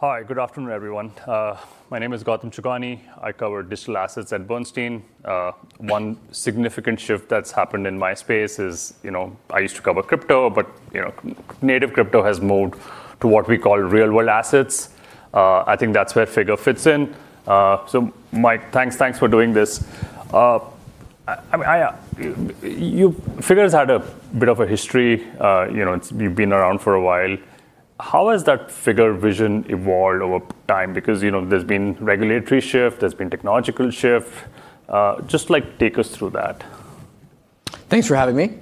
Hi, good afternoon, everyone. My name is Gautam Chhugani. I cover digital assets at Bernstein. One significant shift that's happened in my space is I used to cover crypto, native crypto has moved to what we call real-world assets. I think that's where Figure fits in. Mike, thanks for doing this. Figure's had a bit of a history. You've been around for a while. How has that Figure vision evolved over time? There's been regulatory shift, there's been technological shift. Just take us through that. Thanks for having me.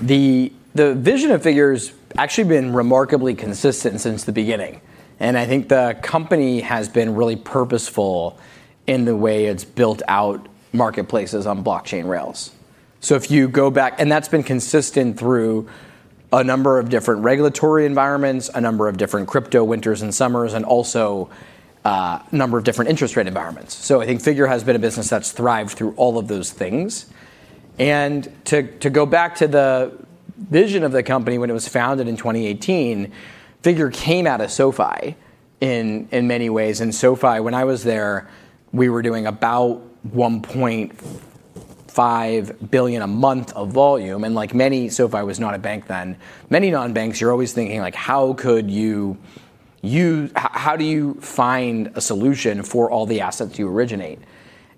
The vision of Figure has actually been remarkably consistent since the beginning. I think the company has been really purposeful in the way it's built out marketplaces on blockchain rails. That's been consistent through a number of different regulatory environments, a number of different crypto winters and summers, also, a number of different interest rate environments. I think Figure has been a business that's thrived through all of those things. To go back to the vision of the company when it was founded in 2018, Figure came out of SoFi in many ways. SoFi, when I was there, we were doing about $1.5 billion a month of volume. SoFi was not a bank then. Many non-banks, you're always thinking how do you find a solution for all the assets you originate?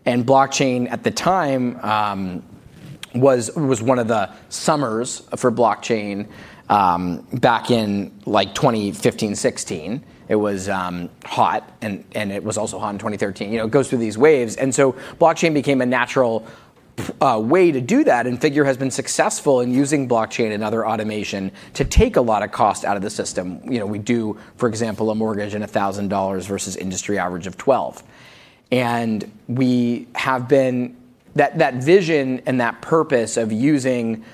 Blockchain at the time was one of the summers for blockchain, back in 2015, 2016. It was hot and it was also hot in 2013. It goes through these waves. Blockchain became a natural way to do that, and Figure has been successful in using blockchain and other automation to take a lot of cost out of the system. We do, for example, a mortgage in $1,000 versus industry average of $12. That vision and that purpose of using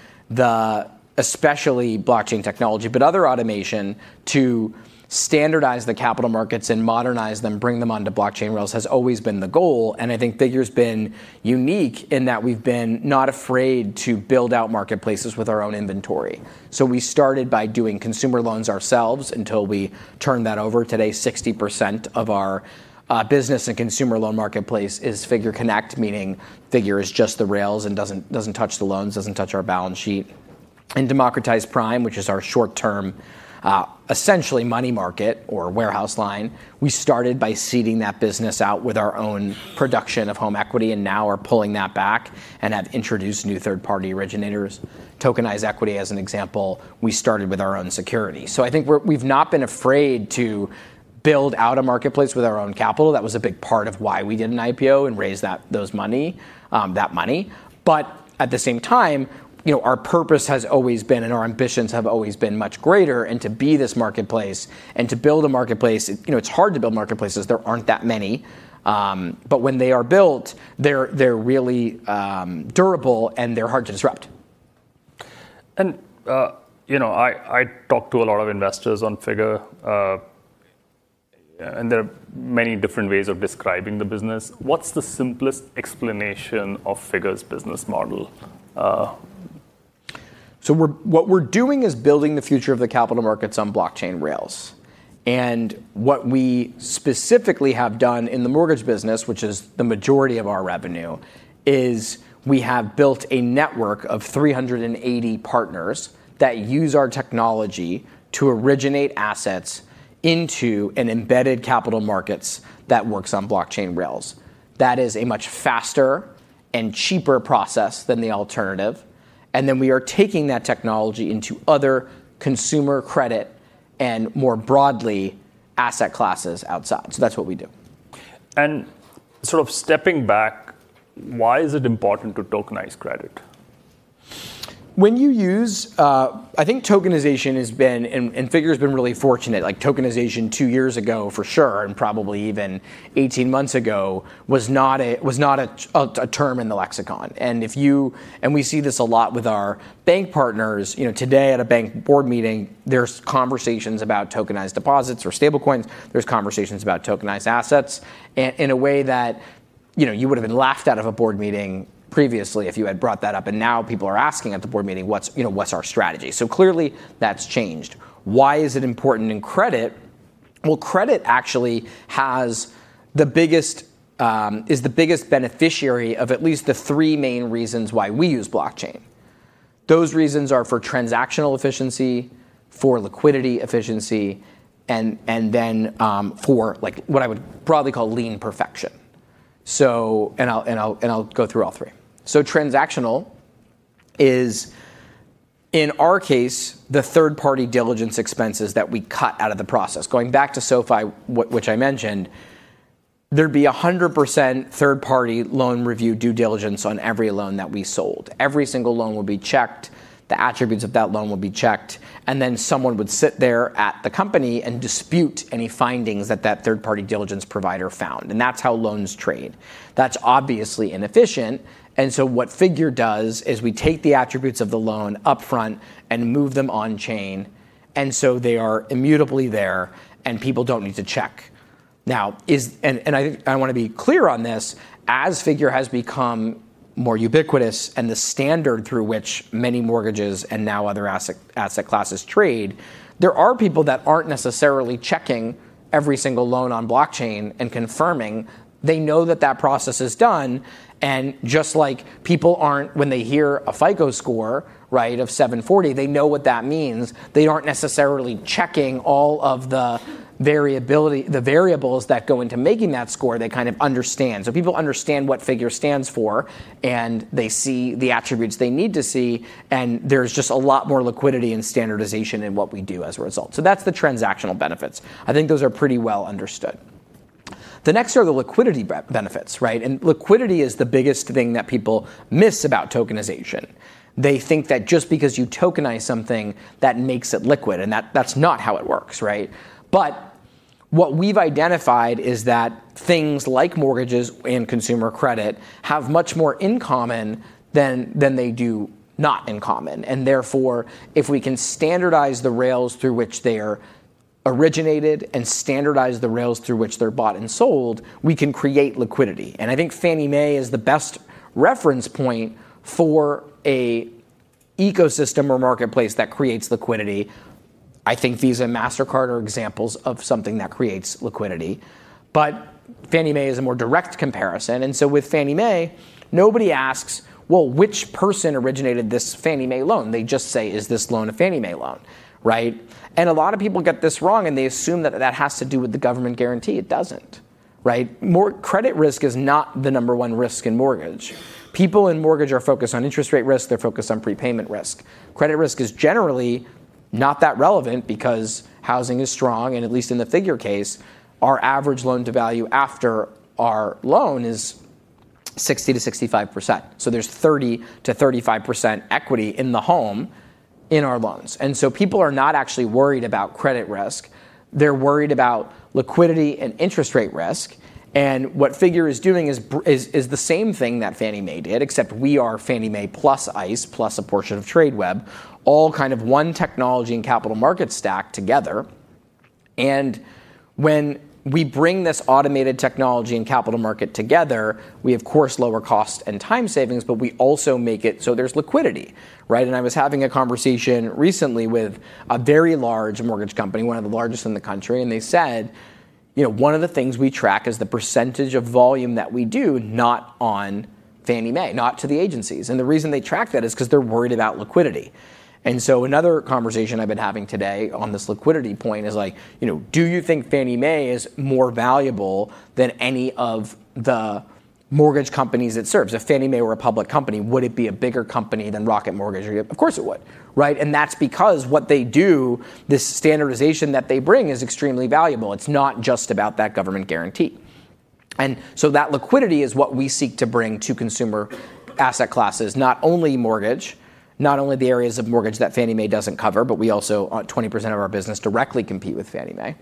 especially blockchain technology, but other automation to standardize the capital markets and modernize them, bring them onto blockchain rails, has always been the goal. I think Figure's been unique in that we've been not afraid to build out marketplaces with our own inventory. We started by doing consumer loans ourselves until we turned that over. Today, 60% of our business and consumer loan marketplace is Figure Connect, meaning Figure is just the rails and doesn't touch the loans, doesn't touch our balance sheet. Democratized Prime, which is our short-term, essentially money market or warehouse line, we started by seeding that business out with our own production of home equity and now are pulling that back and have introduced new third-party originators. Tokenize equity as an example, we started with our own security. I think we've not been afraid to build out a marketplace with our own capital. That was a big part of why we did an IPO and raised that money. At the same time, our purpose has always been, and our ambitions have always been much greater, and to be this marketplace and to build a marketplace, it's hard to build marketplaces. There aren't that many. When they are built, they're really durable and they're hard to disrupt. I talk to a lot of investors on Figure, and there are many different ways of describing the business. What's the simplest explanation of Figure's business model? What we're doing is building the future of the capital markets on blockchain rails. What we specifically have done in the mortgage business, which is the majority of our revenue, is we have built a network of 380 partners that use our technology to originate assets into an embedded capital markets that works on blockchain rails. That is a much faster and cheaper process than the alternative. We are taking that technology into other consumer credit and, more broadly, asset classes outside. That's what we do. Sort of stepping back, why is it important to tokenize credit? I think tokenization has been, and Figure's been really fortunate, like tokenization two years ago, for sure, and probably even 18 months ago, was not a term in the lexicon. We see this a lot with our bank partners. Today at a bank board meeting, there's conversations about tokenized deposits or stablecoins. There's conversations about tokenized assets in a way that you would've been laughed out of a board meeting previously if you had brought that up. Now people are asking at the board meeting, "What's our strategy?" Clearly that's changed. Why is it important in credit? Well, credit actually is the biggest beneficiary of at least the three main reasons why we use blockchain. Those reasons are for transactional efficiency, for liquidity efficiency, and then, for what I would broadly call lien perfection. I'll go through all three. Transactional is, in our case, the third-party diligence expenses that we cut out of the process. Going back to SoFi, which I mentioned, there'd be 100% third-party loan review due diligence on every loan that we sold. Every single loan would be checked, the attributes of that loan would be checked, and then someone would sit there at the company and dispute any findings that that third-party diligence provider found. That's how loans trade. That's obviously inefficient, what Figure does is we take the attributes of the loan upfront and move them on chain. They are immutably there, and people don't need to check. I think I want to be clear on this, as Figure has become more ubiquitous and the standard through which many mortgages and now other asset classes trade, there are people that aren't necessarily checking every single loan on blockchain and confirming. They know that that process is done, and just like people aren't, when they hear a FICO score of 740, they know what that means. They aren't necessarily checking all of the variables that go into making that score. They kind of understand. People understand what Figure stands for, and they see the attributes they need to see, and there's just a lot more liquidity and standardization in what we do as a result. That's the transactional benefits. I think those are pretty well understood. The next are the liquidity benefits. Liquidity is the biggest thing that people miss about tokenization. They think that just because you tokenize something, that makes it liquid, and that's not how it works. What we've identified is that things like mortgages and consumer credit have much more in common than they do not in common. Therefore, if we can standardize the rails through which they are originated and standardize the rails through which they're bought and sold, we can create liquidity. I think Fannie Mae is the best reference point for a ecosystem or marketplace that creates liquidity. I think Visa and Mastercard are examples of something that creates liquidity. Fannie Mae is a more direct comparison. With Fannie Mae, nobody asks, "Well, which person originated this Fannie Mae loan?" They just say, "Is this loan a Fannie Mae loan?" A lot of people get this wrong, and they assume that that has to do with the government guarantee. It doesn't. Credit risk is not the number one risk in mortgage. People in mortgage are focused on interest rate risk. They're focused on prepayment risk. Credit risk is generally not that relevant because housing is strong, and at least in the Figure case, our average loan-to-value after our loan is 60%-65%. There's 30%-35% equity in the home in our loans. People are not actually worried about credit risk. They're worried about liquidity and interest rate risk. What Figure is doing is the same thing that Fannie Mae did, except we are Fannie Mae plus ICE, plus a portion of Tradeweb, all kind of one technology and capital market stack together. When we bring this automated technology and capital market together, we of course lower cost and time savings, but we also make it so there's liquidity. I was having a conversation recently with a very large mortgage company, one of the largest in the country, and they said, "One of the things we track is the percentage of volume that we do not on Fannie Mae, not to the agencies." The reason they track that is because they're worried about liquidity. Another conversation I've been having today on this liquidity point is, do you think Fannie Mae is more valuable than any of the mortgage companies it serves? If Fannie Mae were a public company, would it be a bigger company than Rocket Mortgage? Of course, it would. That's because what they do, this standardization that they bring, is extremely valuable. It's not just about that government guarantee. That liquidity is what we seek to bring to consumer asset classes. Not only mortgage, not only the areas of mortgage that Fannie Mae doesn't cover, but we also, 20% of our business directly compete with Fannie Mae.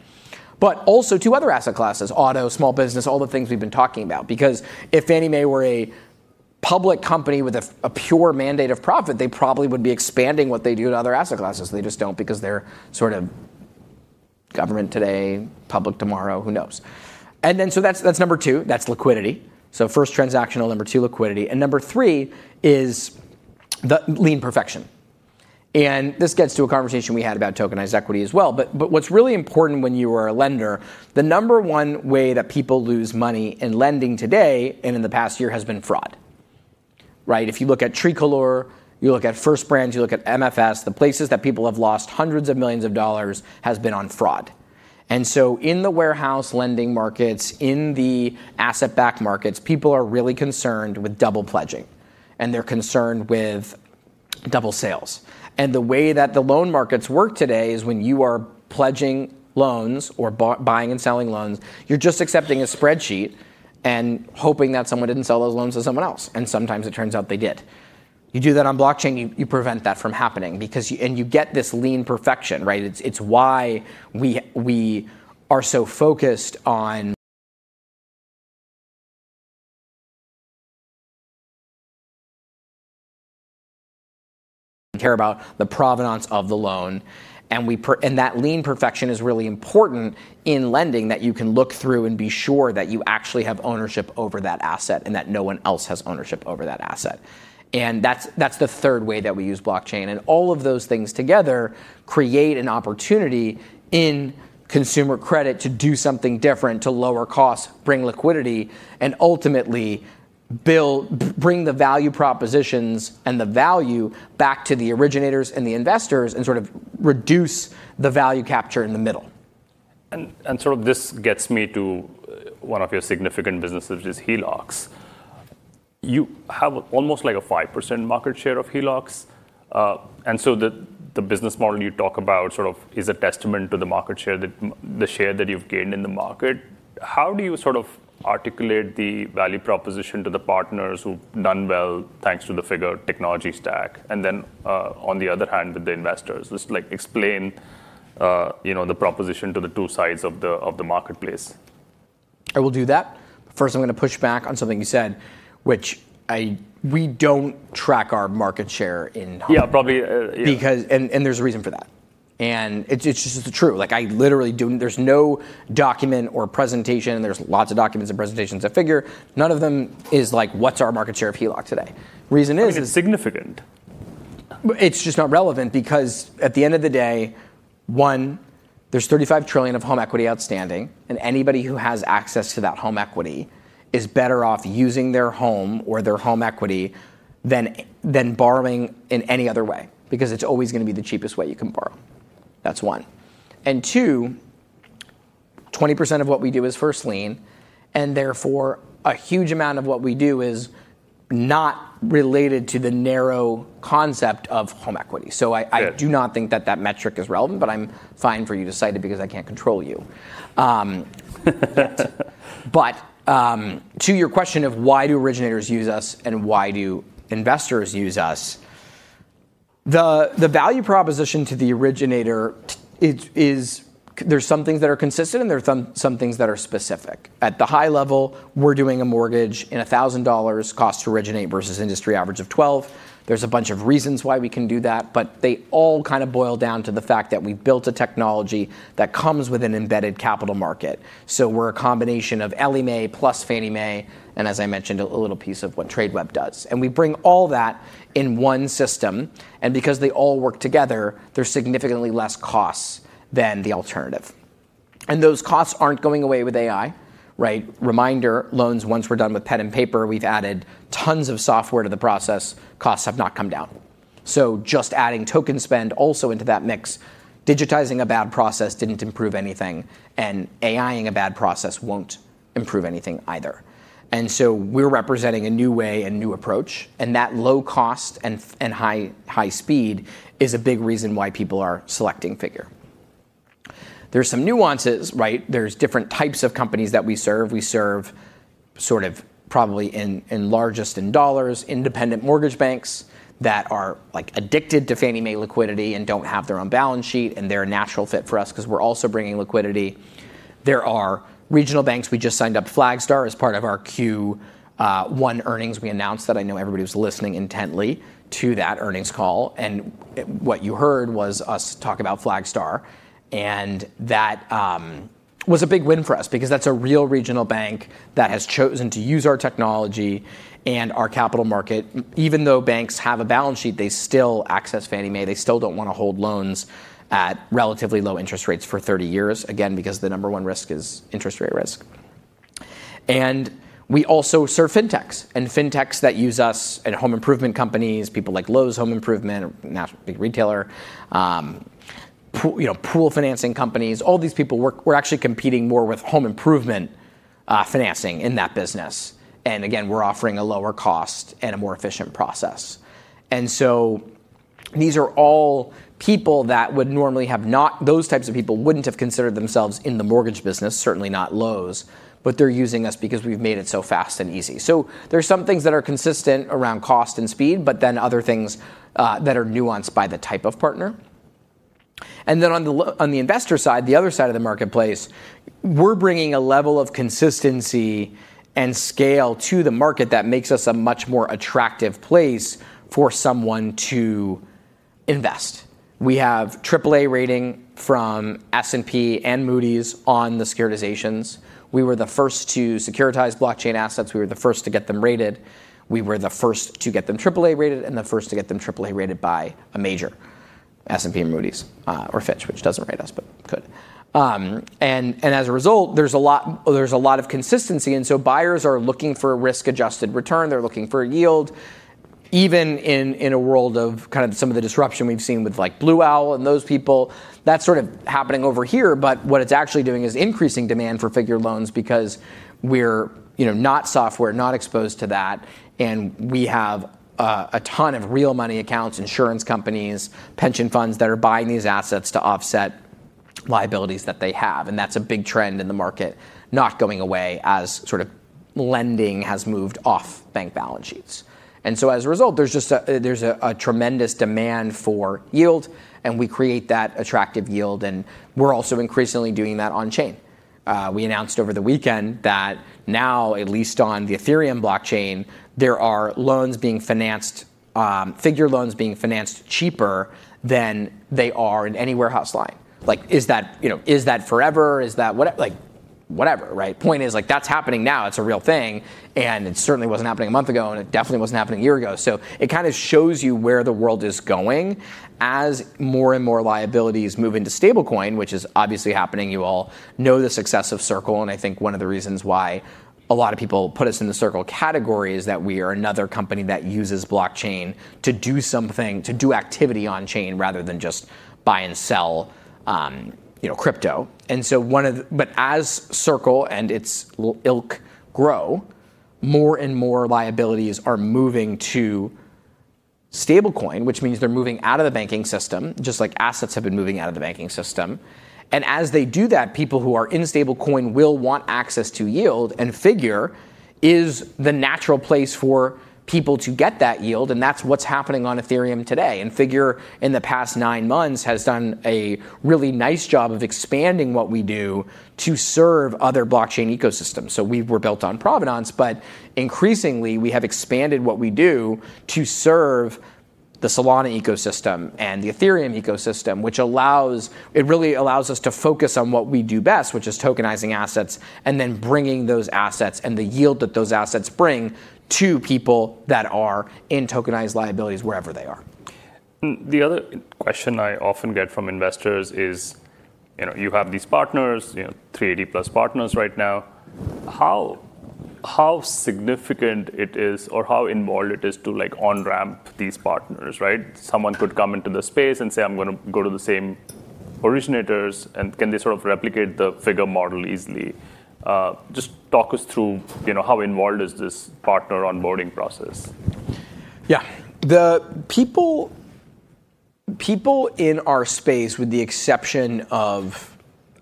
Also to other asset classes, auto, small business, all the things we've been talking about. If Fannie Mae were a public company with a pure mandate of profit, they probably would be expanding what they do to other asset classes. They just don't because they're sort of government today, public tomorrow, who knows? That's number two. That's liquidity. First, transactional. Number two, liquidity. Number three is lien perfection. This gets to a conversation we had about tokenized equity as well. What's really important when you are a lender, the number one way that people lose money in lending today and in the past year has been fraud. If you look at Tricolor, you look at First Brand, you look at MFS, the places that people have lost hundreds of millions of dollars has been on fraud. In the warehouse lending markets, in the asset-backed markets, people are really concerned with double pledging, and they're concerned with double sales. The way that the loan markets work today is when you are pledging loans or buying and selling loans, you're just accepting a spreadsheet and hoping that someone didn't sell those loans to someone else. Sometimes it turns out they did. You do that on blockchain, you prevent that from happening. You get this lien perfection. It's why we are so focused on care about the provenance of the loan. That lien perfection is really important in lending that you can look through and be sure that you actually have ownership over that asset and that no one else has ownership over that asset. That's the third way that we use blockchain. All of those things together create an opportunity in consumer credit to do something different, to lower costs, bring liquidity, and ultimately bring the value propositions and the value back to the originators and the investors and sort of reduce the value capture in the middle. Sort of this gets me to one of your significant businesses, is HELOCs. You have almost a 5% market share of HELOCs. The business model you talk about sort of is a testament to the market share, the share that you've gained in the market. How do you sort of articulate the value proposition to the partners who've done well, thanks to the Figure Technology stack, and then, on the other hand, with the investors? Just explain the proposition to the two sides of the marketplace. I will do that. First, I'm going to push back on something you said, which we don't track our market share in. Yeah, probably. Yeah There's a reason for that. It's just the truth. There's no document or presentation, and there's lots of documents and presentations at Figure. None of them is like, what's our market share of HELOC today? The reason is. It's significant. It's just not relevant because at the end of the day, one, there's $35 trillion of home equity outstanding, and anybody who has access to that home equity is better off using their home or their home equity than borrowing in any other way, because it's always going to be the cheapest way you can borrow. That's one. Two, 20% of what we do is first lien, and therefore, a huge amount of what we do is not related to the narrow concept of home equity. Yeah. do not think that that metric is relevant, but I'm fine for you to cite it because I can't control you. To your question of why do originators use us and why do investors use us, the value proposition to the originator is there's some things that are consistent and there's some things that are specific. At the high level, we're doing a mortgage in $1,000 cost to originate versus industry average of 12. There's a bunch of reasons why we can do that, but they all kind of boil down to the fact that we've built a technology that comes with an embedded capital market. We're a combination of Ellie Mae plus Fannie Mae, and as I mentioned, a little piece of what Tradeweb does. We bring all that in one system, and because they all work together, there's significantly less costs than the alternative. Those costs aren't going away with AI, right? Reminder, loans once were done with pen and paper. We've added tons of software to the process. Costs have not come down. Just adding token spend also into that mix, digitizing a bad process didn't improve anything, and AI-ing a bad process won't improve anything either. We're representing a new way and new approach, and that low cost and high speed is a big reason why people are selecting Figure. There's some nuances, right? There's different types of companies that we serve. We serve sort of probably in largest in dollars, independent mortgage banks that are addicted to Fannie Mae liquidity and don't have their own balance sheet, and they're a natural fit for us because we're also bringing liquidity. There are regional banks. We just signed up Flagstar as part of our Q1 earnings. We announced that. I know everybody was listening intently to that earnings call. What you heard was us talk about Flagstar. That was a big win for us because that's a real regional bank that has chosen to use our technology and our capital market. Even though banks have a balance sheet, they still access Fannie Mae. They still don't want to hold loans at relatively low interest rates for 30 years, again, because the number one risk is interest rate risk. We also serve fintechs, and fintechs that use us at home improvement companies, people like Lowe's Home Improvement, a big retailer, pool financing companies, all these people. We're actually competing more with home improvement financing in that business. Again, we're offering a lower cost and a more efficient process. These are all people that would normally have not. Those types of people wouldn't have considered themselves in the mortgage business, certainly not Lowe's, but they're using us because we've made it so fast and easy. There's some things that are consistent around cost and speed, but then other things that are nuanced by the type of partner. On the investor side, the other side of the marketplace, we're bringing a level of consistency and scale to the market that makes us a much more attractive place for someone to invest. We have AAA rating from S&P and Moody's on the securitizations. We were the first to securitize blockchain assets. We were the first to get them rated. We were the first to get them AAA rated and the first to get them AAA rated by a major, S&P and Moody's or Fitch, which doesn't rate us, but could. As a result, there's a lot of consistency, and so buyers are looking for a risk-adjusted return. They're looking for a yield, even in a world of kind of some of the disruption we've seen with Blue Owl and those people. That's sort of happening over here, but what it's actually doing is increasing demand for Figure loans because we're not software, not exposed to that, and we have a ton of real money accounts, insurance companies, pension funds that are buying these assets to offset liabilities that they have. That's a big trend in the market, not going away as sort of lending has moved off bank balance sheets. As a result, there's a tremendous demand for yield, and we create that attractive yield, and we're also increasingly doing that on chain. We announced over the weekend that now, at least on the Ethereum blockchain, there are loans being financed, Figure loans being financed cheaper than they are in any warehouse line. Is that forever? Is that whatever, right? Point is, that's happening now. It's a real thing, and it certainly wasn't happening a month ago, and it definitely wasn't happening a year ago. It kind of shows you where the world is going as more and more liabilities move into stablecoin, which is obviously happening. You all know the success of Circle. I think one of the reasons why a lot of people put us in the Circle category is that we are another company that uses blockchain to do something, to do activity on chain rather than just buy and sell crypto. As Circle and its ilk grow, more and more liabilities are moving to stablecoin, which means they're moving out of the banking system, just like assets have been moving out of the banking system. As they do that, people who are in stablecoin will want access to yield and Figure is the natural place for people to get that yield, and that's what's happening on Ethereum today. Figure, in the past nine months, has done a really nice job of expanding what we do to serve other blockchain ecosystems. We were built on Provenance, but increasingly, we have expanded what we do to serve the Solana ecosystem and the Ethereum ecosystem, which it really allows us to focus on what we do best, which is tokenizing assets and then bringing those assets and the yield that those assets bring to people that are in tokenized liabilities wherever they are. The other question I often get from investors is, you have these partners, 380+ partners right now. How significant it is or how involved it is to on-ramp these partners, right? Someone could come into the space and say, "I'm going to go to the same originators," and can they sort of replicate the Figure model easily? Just talk us through how involved is this partner onboarding process? Yeah. People in our space, with the exception of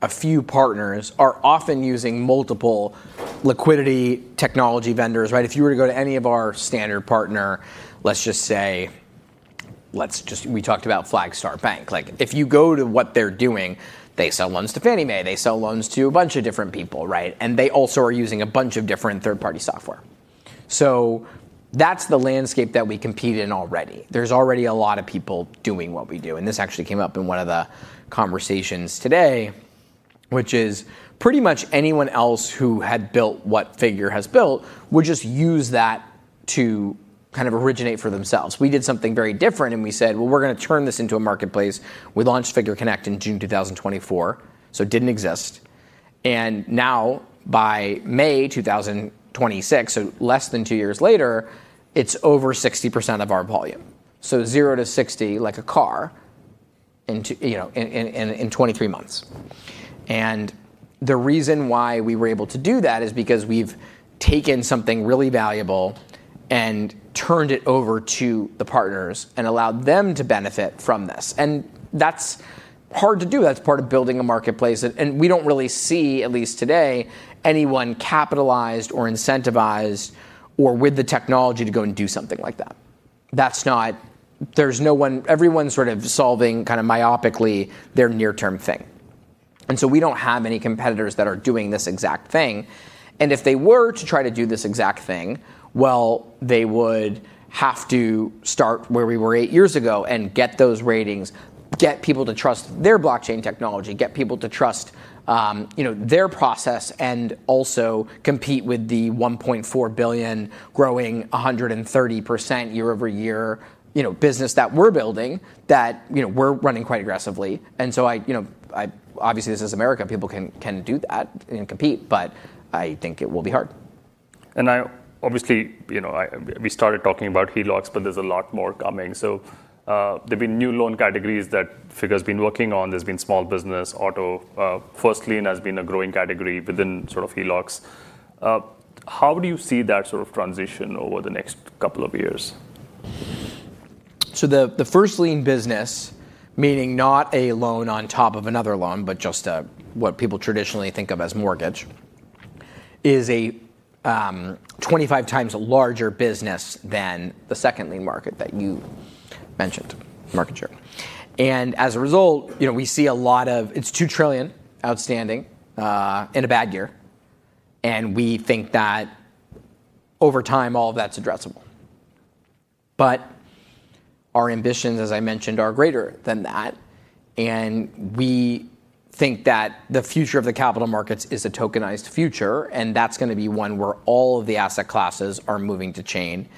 a few partners, are often using multiple liquidity technology vendors, right? If you were to go to any of our standard partner, let's just say, we talked about Flagstar Bank. If you go to what they're doing, they sell loans to Fannie Mae, they sell loans to a bunch of different people, right? They also are using a bunch of different third-party software. That's the landscape that we compete in already. There's already a lot of people doing what we do, and this actually came up in one of the conversations today, which is pretty much anyone else who had built what Figure has built would just use that to kind of originate for themselves. We did something very different, and we said, "Well, we're going to turn this into a marketplace." We launched Figure Connect in June 2024, so it didn't exist. Now by May 2026, so less than two years later, it's over 60% of our volume. 0-60, like a car, in 23 months. The reason why we were able to do that is because we've taken something really valuable and turned it over to the partners and allowed them to benefit from this. That's hard to do. That's part of building a marketplace. We don't really see, at least today, anyone capitalized or incentivized or with the technology to go and do something like that. Everyone's sort of solving kind of myopically their near-term thing. We don't have any competitors that are doing this exact thing. If they were to try to do this exact thing, well, they would have to start where we were eight years ago and get those ratings, get people to trust their blockchain technology, get people to trust their process, and also compete with the $1.4 billion growing 130% year-over-year business that we're building, that we're running quite aggressively. Obviously, this is America, people can do that and compete, but I think it will be hard. Obviously, we started talking about HELOCs, but there's a lot more coming. There've been new loan categories that Figure's been working on. There's been small business, auto. First lien has been a growing category within sort of HELOCs. How do you see that sort of transition over the next couple of years? The first lien business, meaning not a loan on top of another loan, but just what people traditionally think of as mortgage, is a 25x larger business than the second lien market that you mentioned, market share. As a result, it's $2 trillion outstanding in a bad year, and we think that over time, all of that's addressable. Our ambitions, as I mentioned, are greater than that, and we think that the future of the capital markets is a tokenized future, and that's going to be one where all of the asset classes are moving to chain.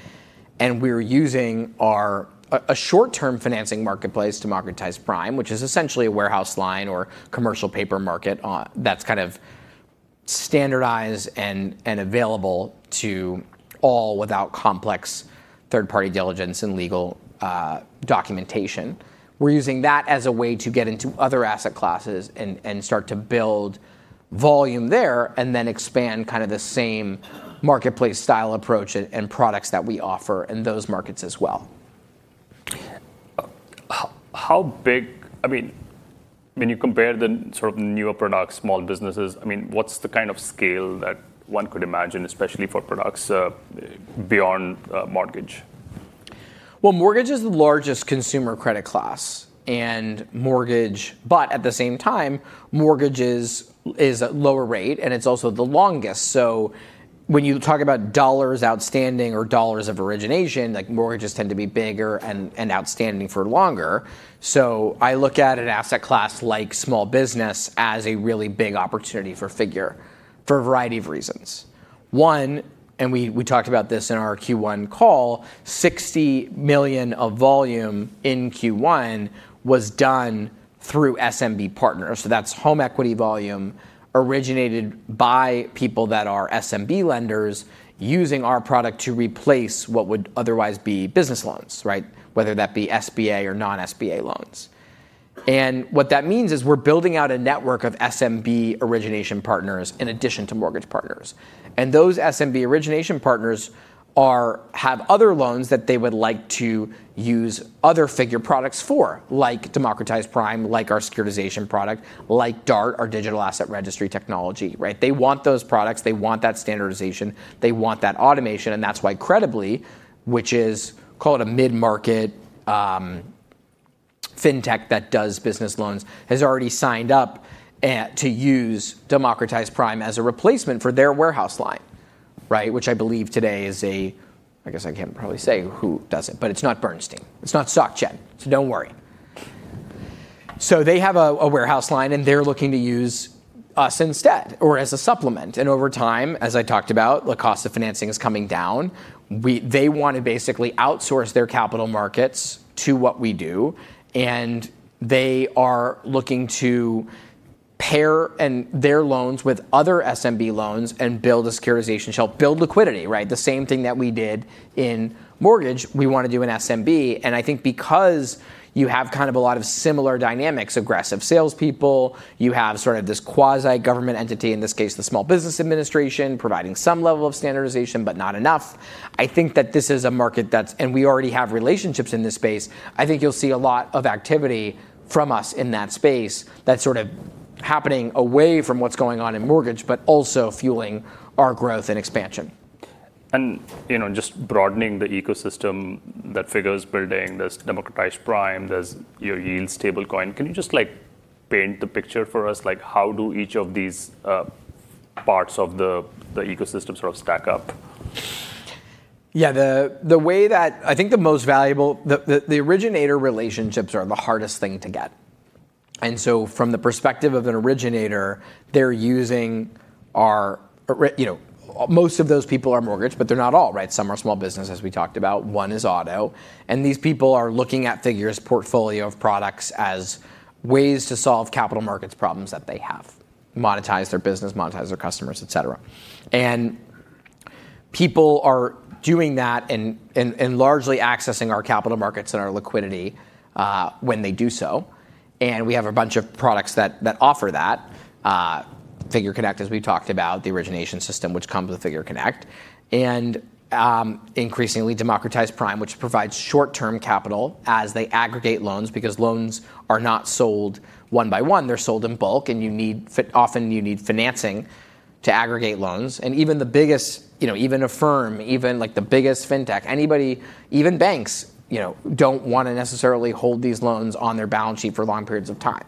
We're using a short-term financing marketplace to Democratized Prime, which is essentially a warehouse line or commercial paper market that's kind of standardized and available to all without complex third-party diligence and legal documentation. We're using that as a way to get into other asset classes and start to build volume there, and then expand kind of the same marketplace style approach and products that we offer in those markets as well. When you compare the sort of newer products, small businesses, what's the kind of scale that one could imagine, especially for products beyond mortgage? Well, mortgage is the largest consumer credit class. At the same time, mortgage is a lower rate, and it's also the longest. When you talk about dollars outstanding or dollars of origination, mortgages tend to be bigger and outstanding for longer. I look at an asset class like small business as a really big opportunity for Figure for a variety of reasons. One, we talked about this in our Q1 call, $60 million of volume in Q1 was done through SMB partners. That's home equity volume originated by people that are SMB lenders using our product to replace what would otherwise be business loans, right? Whether that be SBA or non-SBA loans. What that means is we're building out a network of SMB origination partners in addition to mortgage partners. Those SMB origination partners have other loans that they would like to use other Figure products for, like Democratized Prime, like our securitization product, like DART, our Digital Asset Registry Technology, right? They want those products. They want that standardization. They want that automation. That's why Credibly, which is, call it a mid-market fintech that does business loans, has already signed up to use Democratized Prime as a replacement for their warehouse line, right? Which I believe today is I guess I can't probably say who does it, but it's not Bernstein. It's not SocGen, don't worry. They have a warehouse line, and they're looking to use us instead or as a supplement. Over time, as I talked about, the cost of financing is coming down. They want to basically outsource their capital markets to what we do. They are looking to pair their loans with other SMB loans and build a securitization shelf. Build liquidity, right? The same thing that we did in mortgage, we want to do in SMB. I think because you have kind of a lot of similar dynamics, aggressive salespeople, you have sort of this quasi-government entity, in this case, the Small Business Administration, providing some level of standardization, but not enough. I think that this is a market. We already have relationships in this space. I think you'll see a lot of activity from us in that space that's sort of happening away from what's going on in mortgage, but also fueling our growth and expansion. Just broadening the ecosystem that Figure's building. There's Democratized Prime. There's your Yields stablecoin. Can you just paint the picture for us? How do each of these parts of the ecosystem sort of stack up? The originator relationships are the hardest thing to get. From the perspective of an originator, most of those people are mortgage, but they're not all, right? Some are small business, as we talked about. One is auto. These people are looking at Figure's portfolio of products as ways to solve capital markets problems that they have. Monetize their business, monetize their customers, et cetera. People are doing that and largely accessing our capital markets and our liquidity, when they do so. We have a bunch of products that offer that. Figure Connect, as we talked about, the origination system, which comes with Figure Connect. Increasingly, Democratized Prime, which provides short-term capital as they aggregate loans because loans are not sold one by one. They're sold in bulk, and often you need financing to aggregate loans. Even the biggest firm, even the biggest fintech, anybody, even banks don't want to necessarily hold these loans on their balance sheet for long periods of time.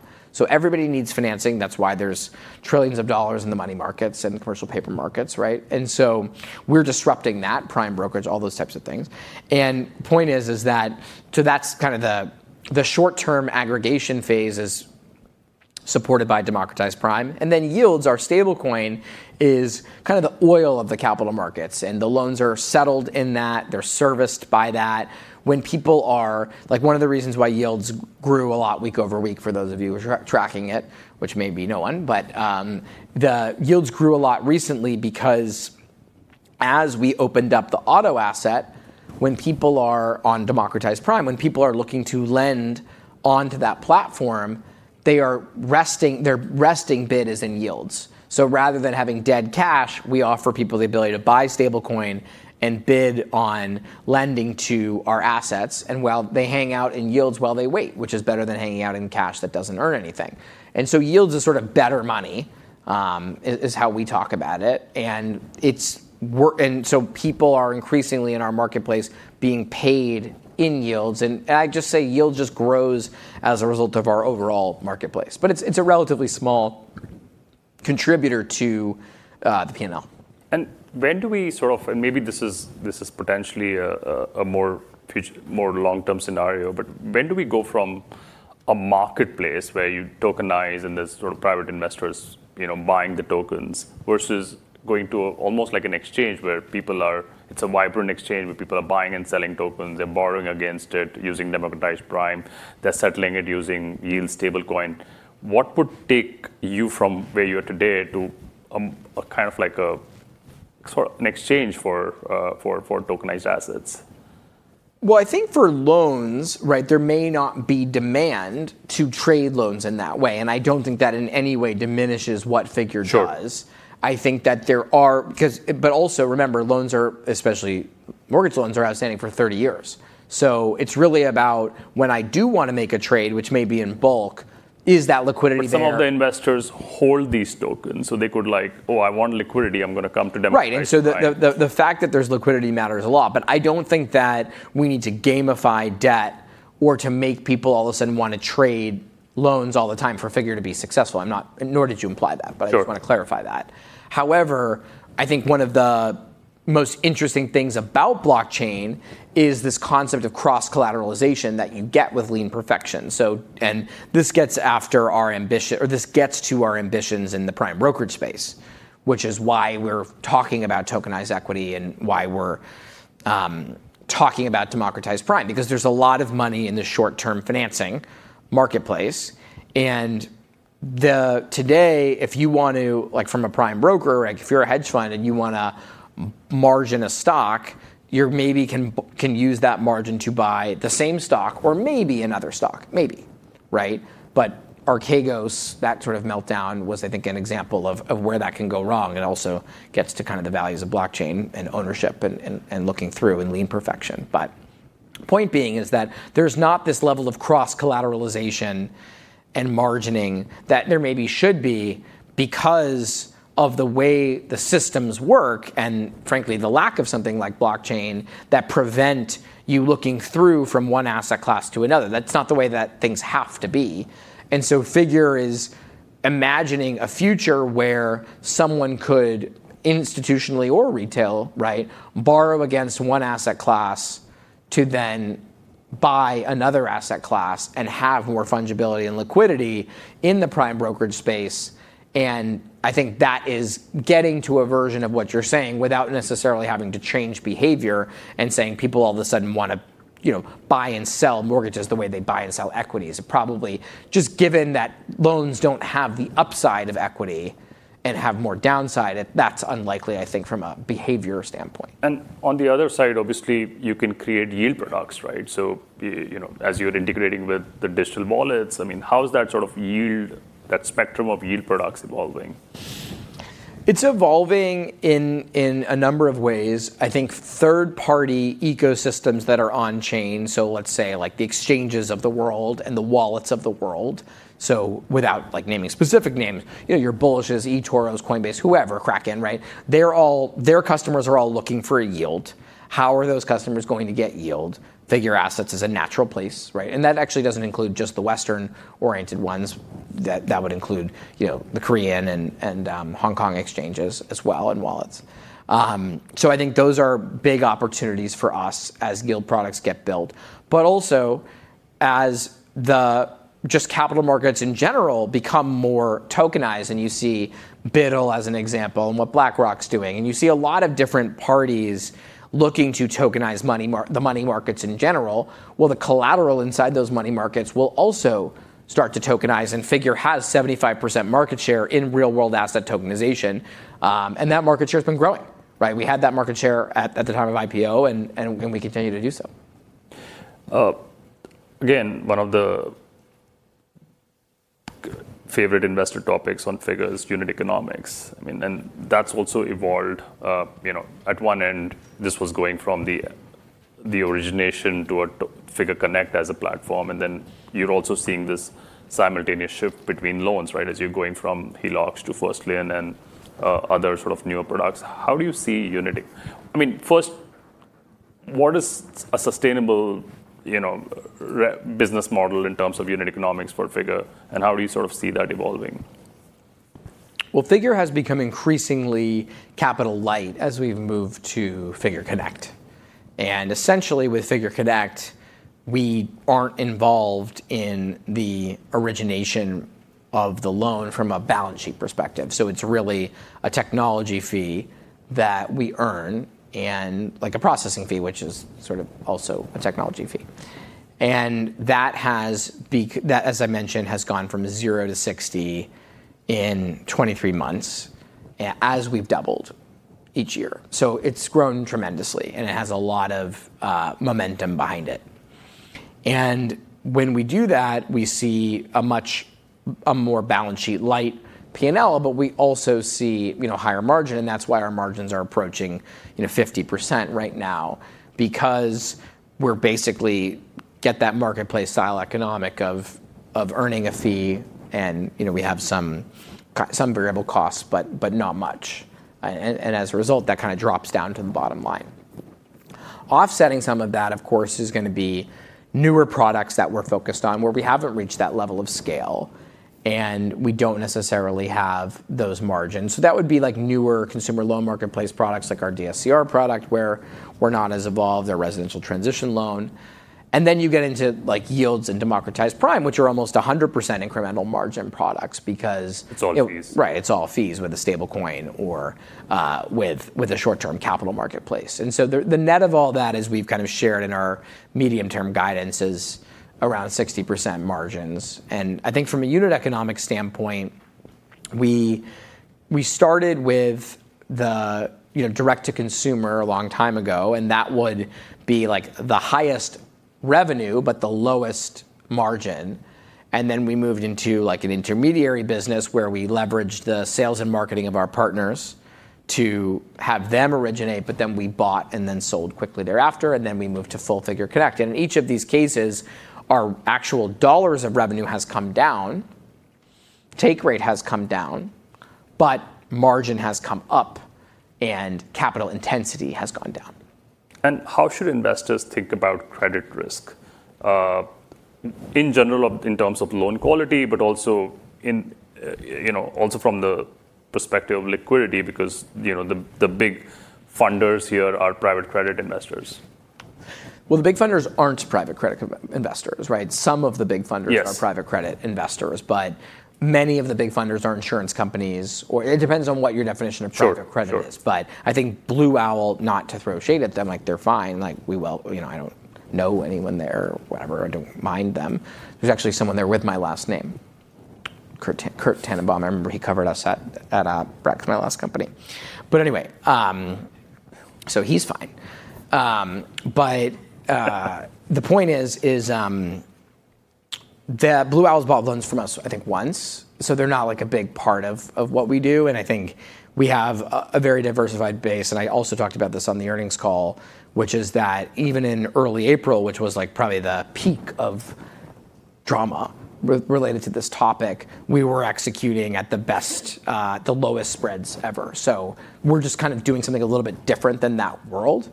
Everybody needs financing. That's why there's trillions of dollars in the money markets and commercial paper markets, right? We're disrupting that prime brokerage, all those types of things. Point is that the short-term aggregation phase is supported by Democratized Prime. $YLDS, our stablecoin, is kind of the oil of the capital markets, and the loans are settled in that. They're serviced by that. One of the reasons why $YLDS grew a lot week-over-week, for those of you who are tracking it, which may be no one, but the $YLDS grew a lot recently because as we opened up the auto asset, when people are on Democratized Prime, when people are looking to lend onto that platform, their resting bid is in $YLDS. Rather than having dead cash, we offer people the ability to buy stablecoin and bid on lending to our assets. They hang out in $YLDS while they wait, which is better than hanging out in cash that doesn't earn anything. $YLDS is sort of better money, is how we talk about it. People are increasingly in our marketplace being paid in $YLDS. I just say $YLDS just grows as a result of our overall marketplace. It's a relatively small contributor to the P&L. When do we sort of, and maybe this is potentially a more long-term scenario, but when do we go from a marketplace where you tokenize and there's sort of private investors buying the tokens, versus going to almost like an exchange where it's a vibrant exchange where people are buying and selling tokens? They're borrowing against it using Democratized Prime. They're settling it using $YLDS stablecoin. What would take you from where you are today to a kind of like an exchange for tokenized assets? Well, I think for loans, right, there may not be demand to trade loans in that way. I don't think that in any way diminishes what Figure does. Sure. Also remember, loans are, especially mortgage loans, are outstanding for 30 years. It's really about when I do want to make a trade, which may be in bulk, is that liquidity there? Some of the investors hold these tokens so they could like, "Oh, I want liquidity. I'm going to come to Democratized Prime. Right. The fact that there's liquidity matters a lot. I don't think that we need to gamify debt or to make people all of a sudden want to trade loans all the time for Figure to be successful. Nor did you imply that. Sure. I just want to clarify that. However, I think one of the most interesting things about blockchain is this concept of cross-collateralization that you get with lien perfection. This gets to our ambitions in the prime brokerage space, which is why we're talking about tokenized equity and why we're talking about Democratized Prime, because there's a lot of money in the short-term financing marketplace, and today, from a prime broker, if you're a hedge fund and you want to margin a stock, you maybe can use that margin to buy the same stock or maybe another stock. Maybe. Right? Archegos, that sort of meltdown was, I think, an example of where that can go wrong, and also gets to kind of the values of blockchain and ownership and looking through and lien perfection. Point being is that there's not this level of cross-collateralization and margining that there maybe should be because of the way the systems work, and frankly, the lack of something like blockchain that prevent you looking through from one asset class to another. That's not the way that things have to be. Figure is imagining a future where someone could, institutionally or retail, right, borrow against one asset class to then buy another asset class and have more fungibility and liquidity in the prime brokerage space. I think that is getting to a version of what you're saying without necessarily having to change behavior and saying people all of a sudden want to buy and sell mortgages the way they buy and sell equities. Probably just given that loans don't have the upside of equity and have more downside, that's unlikely, I think, from a behavior standpoint. On the other side, obviously, you can create yield products, right? As you're integrating with the digital wallets, how is that spectrum of yield products evolving? It's evolving in a number of ways. I think third-party ecosystems that are on chain, so let's say, the exchanges of the world and the wallets of the world. Without naming specific names, your Bullish's, eToro's, Coinbase, whoever, Kraken, right? Their customers are all looking for a yield. How are those customers going to get yield? Figure Assets is a natural place, right? That actually doesn't include just the Western-oriented ones. That would include the Korean and Hong Kong exchanges as well, and wallets. I think those are big opportunities for us as yield products get built. Also as the just capital markets in general become more tokenized, and you see BUIDL as an example and what BlackRock's doing, and you see a lot of different parties looking to tokenize the money markets in general. Well, the collateral inside those money markets will also start to tokenize, and Figure has 75% market share in real-world asset tokenization. That market share's been growing, right? We had that market share at the time of IPO, and we continue to do so. One of the favorite investor topics on Figure is unit economics. That's also evolved. At one end, this was going from the origination to Figure Connect as a platform, then you're also seeing this simultaneous shift between loans, right? As you're going from HELOCs to first lien and other sort of newer products. How do you see First, what is a sustainable business model in terms of unit economics for Figure, how do you sort of see that evolving? Figure has become increasingly capital light as we've moved to Figure Connect. Essentially with Figure Connect, we aren't involved in the origination of the loan from a balance sheet perspective. It's really a technology fee that we earn and a processing fee, which is sort of also a technology fee. That, as I mentioned, has gone from 0-60 in 23 months, as we've doubled each year. It's grown tremendously, and it has a lot of momentum behind it. When we do that, we see a more balance sheet light P&L, but we also see higher margin, and that's why our margins are approaching 50% right now. Because we basically get that marketplace-style economic of earning a fee and we have some variable costs, but not much. As a result, that kind of drops down to the bottom line. Offsetting some of that, of course, is going to be newer products that we're focused on where we haven't reached that level of scale, and we don't necessarily have those margins. That would be newer consumer loan marketplace products like our DSCR product, where we're not as evolved, our residential transition loan. You get into $YLDS and Democratized Prime, which are almost 100% incremental margin products because. It's all fees. Right. It's all fees with a stablecoin or with a short-term capital marketplace. The net of all that, as we've kind of shared in our medium-term guidance, is around 60% margins. I think from a unit economic standpoint, we started with the direct to consumer a long time ago. That would be the highest revenue, but the lowest margin. We moved into an intermediary business where we leveraged the sales and marketing of our partners to have them originate, but then we bought and then sold quickly thereafter, and then we moved to full Figure Connect. In each of these cases, our actual dollars of revenue has come down, take rate has come down, but margin has come up and capital intensity has gone down. How should investors think about credit risk? In general, in terms of loan quality, but also from the perspective of liquidity because the big funders here are private credit investors. Well, the big funders aren't private credit investors, right? Yes. Are private credit investors, but many of the big funders are insurance companies, or it depends on what your definition of private credit is. Sure. I think Blue Owl, not to throw shade at them, they're fine. I don't know anyone there, whatever. I don't mind them. There's actually someone there with my last name Kurt Tenenbaum, I remember he covered us back at, my last company. He's fine. The point is, Blue Owl's bought loans from us, I think once. They're not a big part of what we do, and I think we have a very diversified base. I also talked about this on the earnings call, which is that even in early April, which was probably the peak of drama related to this topic, we were executing at the lowest spreads ever. We're just kind of doing something a little bit different than that world.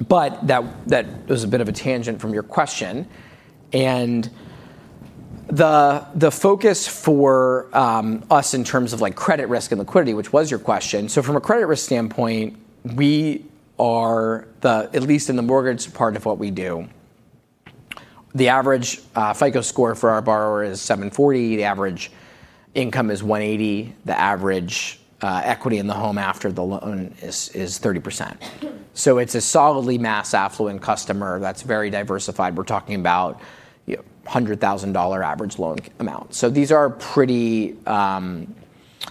That was a bit of a tangent from your question and the focus for us in terms of credit risk and liquidity, which was your question. From a credit risk standpoint, at least in the mortgage part of what we do, the average FICO score for our borrower is 740. The average income is $180. The average equity in the home after the loan is 30%. It's a solidly mass affluent customer that's very diversified. We're talking about $100,000 average loan amount.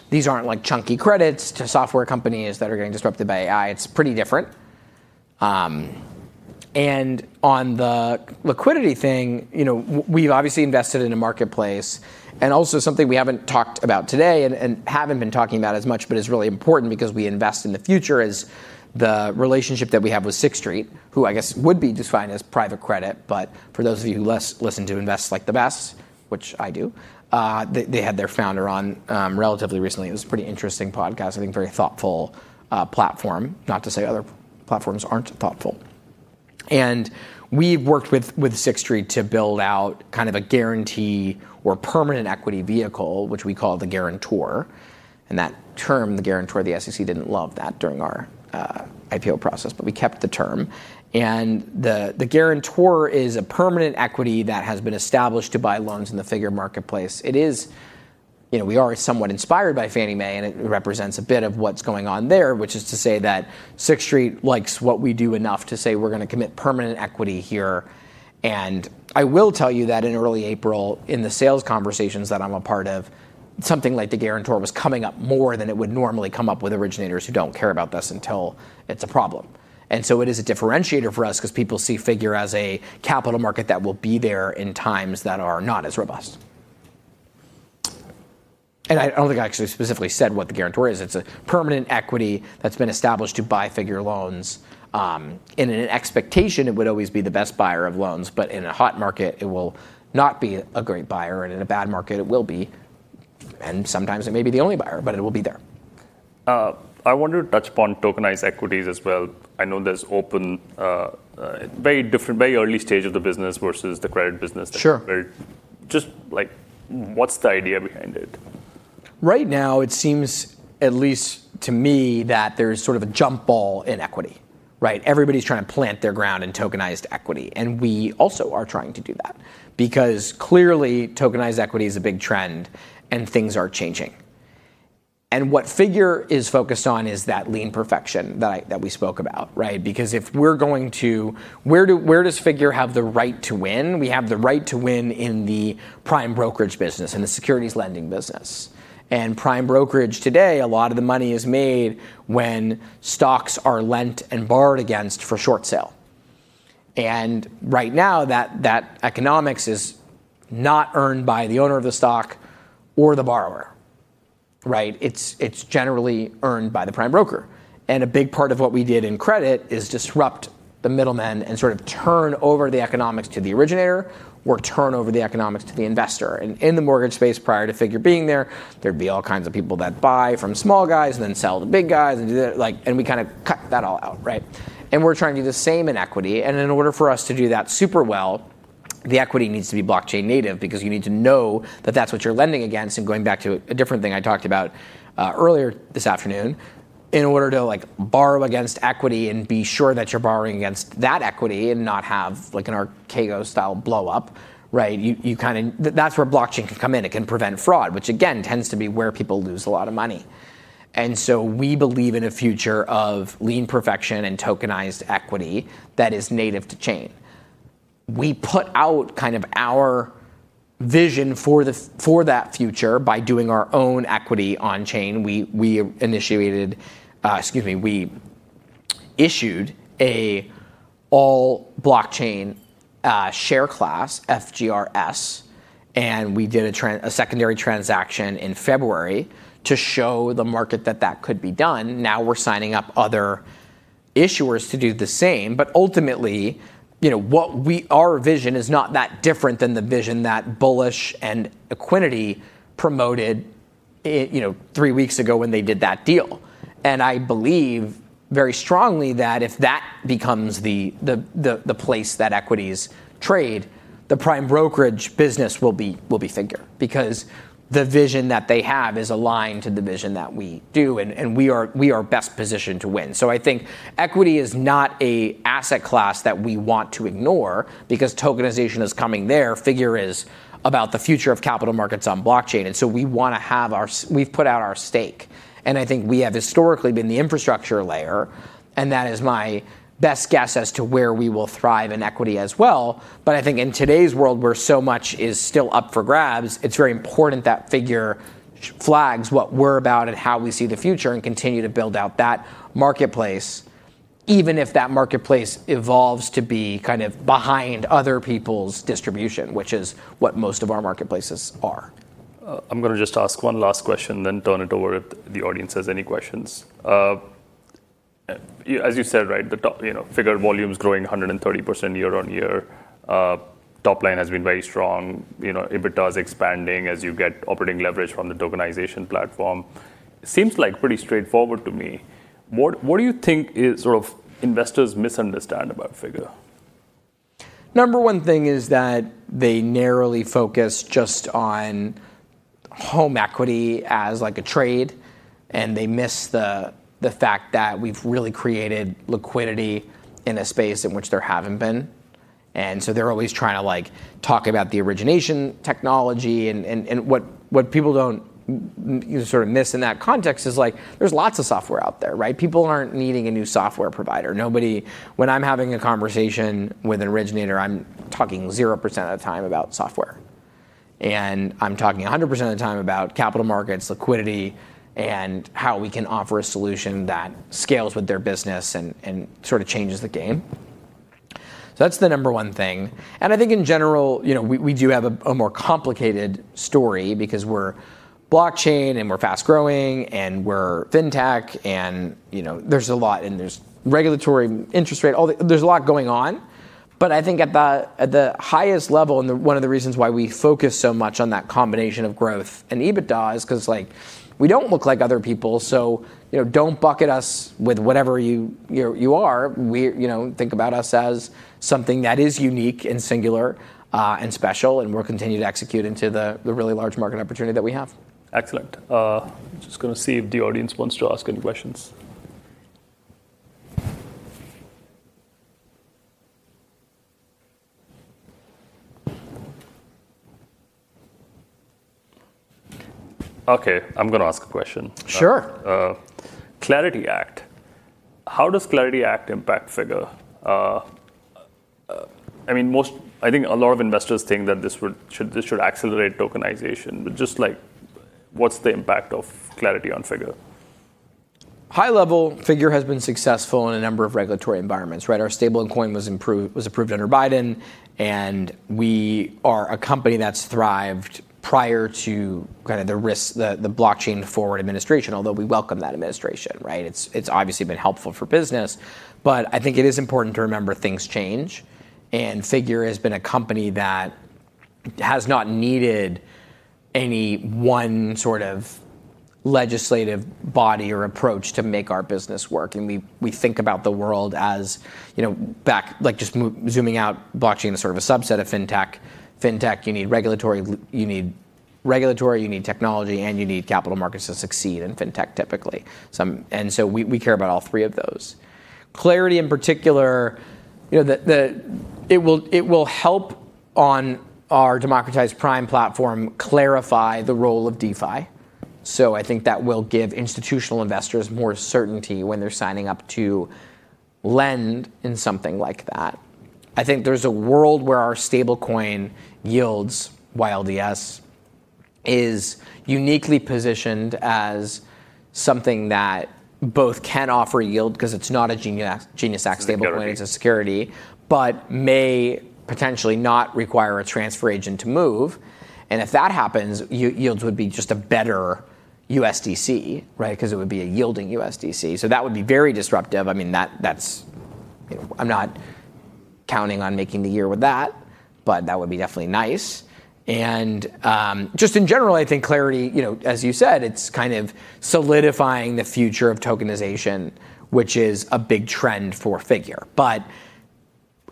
These aren't chunky credits to software companies that are getting disrupted by AI. It's pretty different. On the liquidity thing, we've obviously invested in a marketplace and also something we haven't talked about today and haven't been talking about as much, but is really important because we invest in the future, is the relationship that we have with Sixth Street, who I guess would be defined as private credit. For those of you who listen to "Invest Like the Best", which I do, they had their founder on, relatively recently. It was a pretty interesting podcast, I think a very thoughtful platform, not to say other platforms aren't thoughtful. We've worked with Sixth Street to build out kind of a guarantee or permanent equity vehicle, which we call the guarantor. That term, the guarantor, the SEC didn't love that during our IPO process, but we kept the term. The guarantor is a permanent equity that has been established to buy loans in the Figure marketplace. We are somewhat inspired by Fannie Mae, and it represents a bit of what's going on there, which is to say that Sixth Street likes what we do enough to say, we're going to commit permanent equity here. I will tell you that in early April in the sales conversations that I'm a part of, something like the guarantor was coming up more than it would normally come up with originators who don't care about this until it's a problem. It is a differentiator for us because people see Figure as a capital market that will be there in times that are not as robust. I don't think I actually specifically said what the guarantor is. It's a permanent equity that's been established to buy Figure loans. In an expectation, it would always be the best buyer of loans, but in a hot market, it will not be a great buyer, and in a bad market, it will be. Sometimes it may be the only buyer, but it will be there. I want to touch upon tokenized equities as well. I know there's open, very early stage of the business versus the credit business. Sure. Just what's the idea behind it? Right now, it seems, at least to me, that there's sort of a jump ball in equity, right? Everybody's trying to plant their ground in tokenized equity, we also are trying to do that because clearly tokenized equity is a big trend and things are changing. What Figure is focused on is that lien perfection that we spoke about, right? Because where does Figure have the right to win? We have the right to win in the prime brokerage business and the securities lending business. Prime brokerage today, a lot of the money is made when stocks are lent and borrowed against for short sale. Right now, that economics is not earned by the owner of the stock or the borrower, right? It's generally earned by the prime broker. A big part of what we did in credit is disrupt the middlemen and sort of turn over the economics to the originator or turn over the economics to the investor. In the mortgage space, prior to Figure being there'd be all kinds of people that buy from small guys and then sell to big guys and do that, and we kind of cut that all out, right? We're trying to do the same in equity. In order for us to do that super well, the equity needs to be blockchain native because you need to know that that's what you're lending against. Going back to a different thing I talked about earlier this afternoon, in order to borrow against equity and be sure that you're borrowing against that equity and not have an Archegos-style blow up, right, that's where blockchain can come in. It can prevent fraud, which again, tends to be where people lose a lot of money. We believe in a future of lien perfection and tokenized equity that is native to chain. We put out kind of our vision for that future by doing our own equity on chain. We issued an all-blockchain share class, FGRS, and we did a secondary transaction in February to show the market that that could be done. Now we're signing up other issuers to do the same. Ultimately, our vision is not that different than the vision that Bullish and Equiniti promoted three weeks ago when they did that deal. I believe very strongly that if that becomes the place that equities trade, the prime brokerage business will be Figure. The vision that they have is aligned to the vision that we do, and we are best positioned to win. I think equity is not an asset class that we want to ignore because tokenization is coming there. Figure is about the future of capital markets on blockchain, and so we've put out our stake. I think we have historically been the infrastructure layer, and that is my best guess as to where we will thrive in equity as well. I think in today's world, where so much is still up for grabs, it's very important that Figure flags what we're about and how we see the future and continue to build out that marketplace. Even if that marketplace evolves to be kind of behind other people's distribution, which is what most of our marketplaces are. I'm going to just ask one last question, then turn it over if the audience has any questions. As you said, right, the Figure volume's growing 130% year-on-year. Top line has been very strong. EBITDA is expanding as you get operating leverage from the tokenization platform. Seems pretty straightforward to me. What do you think investors misunderstand about Figure? Number one thing is that they narrowly focus just on home equity as a trade, they miss the fact that we've really created liquidity in a space in which there haven't been. They're always trying to talk about the origination technology. What people don't sort of miss in that context is there's lots of software out there, right? People aren't needing a new software provider. When I'm having a conversation with an originator, I'm talking 0% of the time about software. I'm talking 100% of the time about capital markets, liquidity, and how we can offer a solution that scales with their business and sort of changes the game. That's the number one thing. I think in general, we do have a more complicated story because we're blockchain, and we're fast-growing, and we're fintech, and there's a lot and there's regulatory interest rate, there's a lot going on. I think at the highest level and one of the reasons why we focus so much on that combination of growth and EBITDA is because we don't look like other people, so don't bucket us with whatever you are. Think about us as something that is unique and singular, and special, and we'll continue to execute into the really large market opportunity that we have. Excellent. Just going to see if the audience wants to ask any questions. Okay, I'm going to ask a question. Sure. Clarity Act. How does Clarity Act impact Figure? I think a lot of investors think that this should accelerate tokenization. Just what's the impact of Clarity on Figure? High-level Figure has been successful in a number of regulatory environments, right? Our stablecoin was approved under Biden, and we are a company that's thrived prior to the blockchain-forward administration, although we welcome that administration, right? It's obviously been helpful for business. I think it is important to remember things change, and Figure has been a company that has not needed any one sort of legislative body or approach to make our business work. We think about the world as just zooming out, blockchain is sort of a subset of fintech. Fintech, you need regulatory, you need technology, and you need capital markets to succeed in fintech, typically. We care about all three of those. Clarity in particular, it will help on our Democratized Prime platform clarify the role of DeFi. I think that will give institutional investors more certainty when they're signing up to lend in something like that. I think there's a world where our stablecoin YLDS is uniquely positioned as something that both can offer yield because it's not a GENIUS Act stablecoin. Security. it's a security, but may potentially not require a transfer agent to move. If that happens, $YLDS would be just a better USDC, right? Because it would be a yielding USDC. That would be very disruptive. I'm not counting on making the year with that, but that would be definitely nice. Just in general, I think Clarity, as you said, it's kind of solidifying the future of tokenization, which is a big trend for Figure.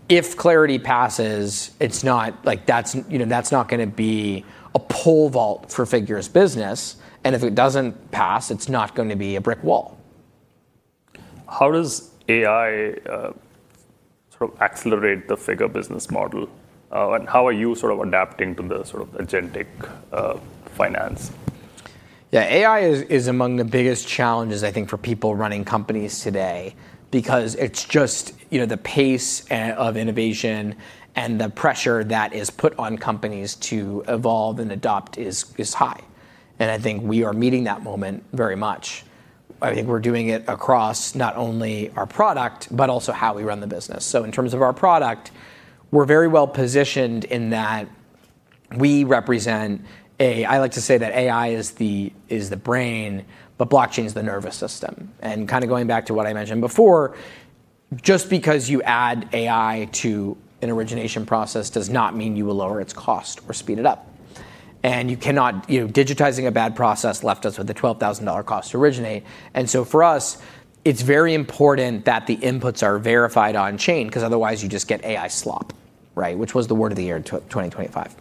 If Clarity passes, that's not going to be a pole vault for Figure's business. If it doesn't pass, it's not going to be a brick wall. How does AI sort of accelerate the Figure business model? How are you sort of adapting to the agentic finance? AI is among the biggest challenges, I think, for people running companies today because it's just the pace of innovation and the pressure that is put on companies to evolve and adopt is high. I think we are meeting that moment very much. I think we're doing it across not only our product, but also how we run the business. In terms of our product, we're very well-positioned in that we represent, I like to say that AI is the brain, but blockchain is the nervous system. Kind of going back to what I mentioned before, just because you add AI to an origination process does not mean you will lower its cost or speed it up. Digitizing a bad process left us with a $12,000 cost to originate. For us, it's very important that the inputs are verified on-chain because otherwise you just get AI slop, right, which was the word of the year in 2025.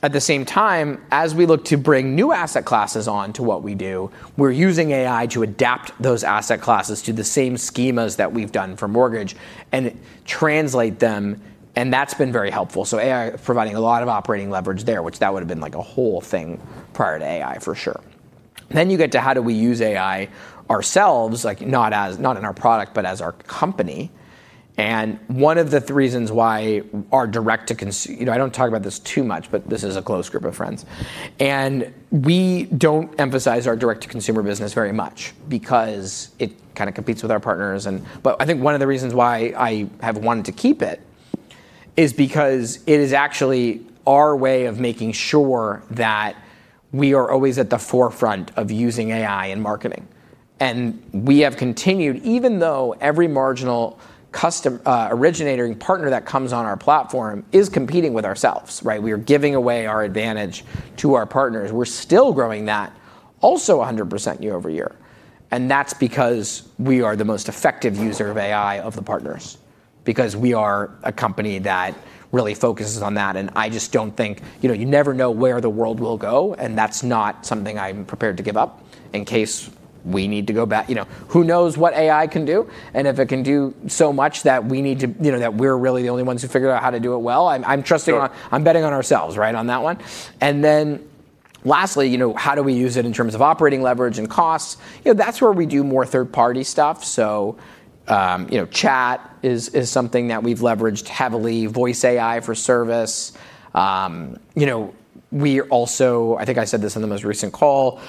At the same time, as we look to bring new asset classes onto what we do, we're using AI to adapt those asset classes to the same schemas that we've done for mortgage and translate them, and that's been very helpful. AI providing a lot of operating leverage there, which that would've been like a whole thing prior to AI for sure. You get to how do we use AI ourselves, not in our product, but as our company. One of the reasons why I don't talk about this too much, but this is a close group of friends. We don't emphasize our direct-to-consumer business very much because it kind of competes with our partners. I think one of the reasons why I have wanted to keep it is because it is actually our way of making sure that we are always at the forefront of using AI in marketing. We have continued, even though every marginal originating partner that comes on our platform is competing with ourselves, right? We are giving away our advantage to our partners. We're still growing that also 100% year-over-year. That's because we are the most effective user of AI of the partners, because we are a company that really focuses on that. You never know where the world will go, and that's not something I'm prepared to give up in case we need to go back. Who knows what AI can do, and if it can do so much that we're really the only ones who figure out how to do it well. I'm betting on ourselves, right, on that one. Lastly, how do we use it in terms of operating leverage and costs? That's where we do more third-party stuff. Chat is something that we've leveraged heavily, voice AI for service. We also, I think I said this on the most recent call,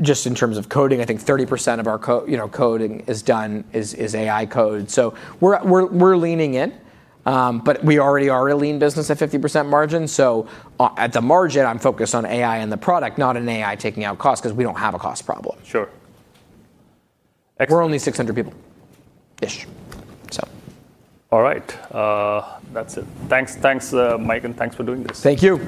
just in terms of coding, I think 30% of our coding is AI code. We're leaning in, but we already are a lean business at 50% margin. At the margin, I'm focused on AI and the product, not on AI taking out cost because we don't have a cost problem. Sure. Excellent. We're only 600 people-ish. All right. That's it. Thanks, Mike, and thanks for doing this. Thank you.